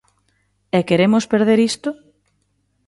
E queremos perder isto?